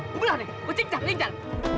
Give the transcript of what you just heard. gue belah nih gue cincang linjan